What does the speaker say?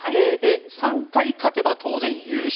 ３回勝てば、当然優勝。